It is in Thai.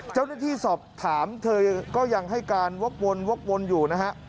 เจ้าหน้าที่สอบถามเธอก็ยังให้การวกวนอยู่นะฮะ